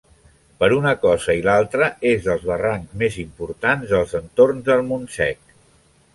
Per una cosa i l'altra, és dels barrancs més importants dels entorns del Montsec.